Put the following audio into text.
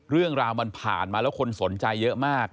เรื่องราวมันผ่านมาแล้วคนสนใจเยอะมาก